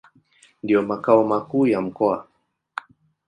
Ndio makao makuu ya mkoa.